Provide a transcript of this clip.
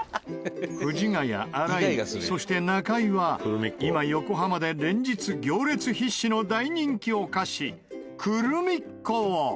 藤ヶ谷新井そして中井は今横浜で連日行列必至の大人気お菓子クルミッ子を。